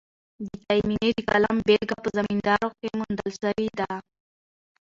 د تایمني د کلام بېلګه په زمینداور کښي موندل سوې ده.